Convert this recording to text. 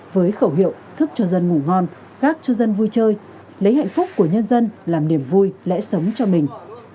với khẩu hiệu thức cho dân ngủ ngon gác cho dân vui chơi lấy hạnh phúc của nhân dân làm niềm vui lẽ sống cho mình